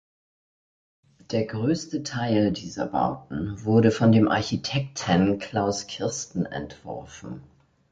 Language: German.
Der größte Teil dieser Bauten wurde von dem Architekten Klaus Kirsten entworfen.